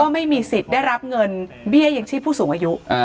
ไม่มีสิทธิ์ได้รับเงินเบี้ยยังชีพผู้สูงอายุ